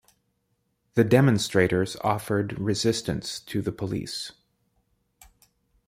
The demonstrators offered resistance to the police.